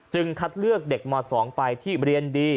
คัดเลือกเด็กม๒ไปที่เรียนดี